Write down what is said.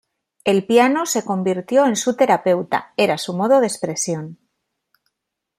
El piano se convirtió en su terapeuta, era su modo de expresión.